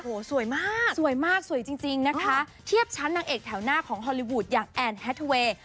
โอ้โหสวยมากสวยมากสวยจริงจริงนะคะเทียบชั้นนางเอกแถวหน้าของฮอลลีวูดอย่างแอนแฮทเวย์